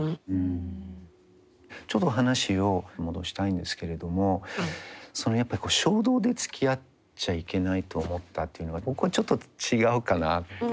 ちょっと話を戻したいんですけれどもやっぱり衝動でつきあっちゃいけないと思ったっていうのは僕はちょっと違うかなって。